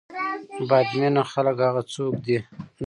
بد بینه خلک هغه څوک دي.